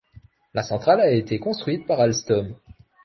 La centrale a été construite par Alstom.